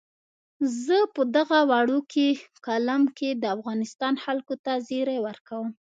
زه په دغه وړوکي کالم کې د افغانستان خلکو ته زیری ورکوم.